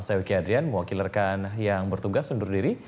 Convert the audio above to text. saya wiki adrian mewakilkan yang bertugas undur diri